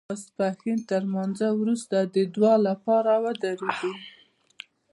د ماسپښین تر لمانځه وروسته د دعا لپاره ودرېدو.